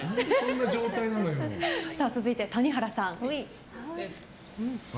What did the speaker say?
続いて、谷原さん。